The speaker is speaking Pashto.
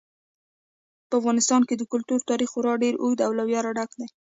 په افغانستان کې د کلتور تاریخ خورا ډېر اوږد او له ویاړه ډک دی.